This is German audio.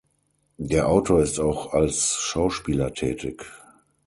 Der Autor ist auch als Schauspieler tätig.